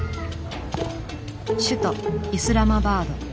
首都イスラマバード。